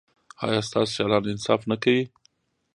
ایا ستاسو سیالان انصاف نه کوي؟